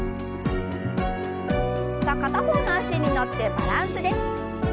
さあ片方の脚に乗ってバランスです。